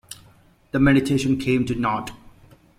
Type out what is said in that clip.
The mediation came to naught.